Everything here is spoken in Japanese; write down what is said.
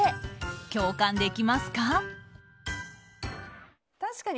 共感できますか？